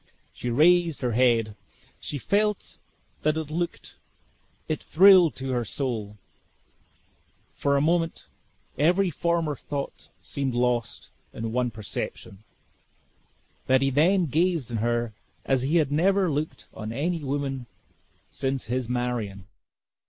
She raised her head she felt that look it thrilled to her soul. For a moment every former thought seemed lost in the one perception, that he then gazed on her as he had never looked on any woman since his Marion.